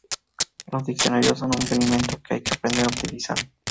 Los diccionarios son un buen invento que hay que aprender a utilizar.